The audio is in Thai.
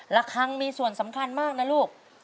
ละครั้งมีส่วนสำคัญมากนะลูก